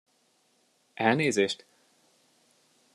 Elnézést?